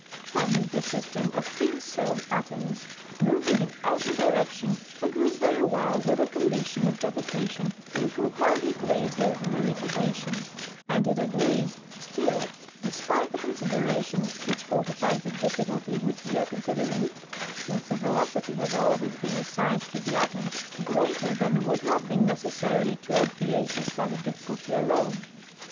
Hence the system of thin sown atoms moving in every direction agrees very well with a condition of gravitation incomparably greater than the retardation, and it agrees still, despite the consideration which for tifies the difficulty which we are considering, since a velocity has always been assigned to the atoms greater than would have been necessary to obviate this latter difficulty alone.